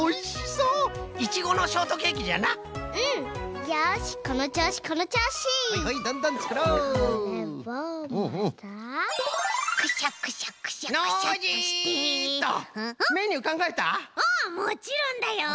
うんもちろんだよ！